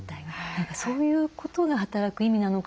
何かそういうことが働く意味なのかなと。